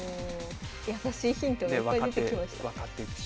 やさしいヒントがいっぱい出てきました。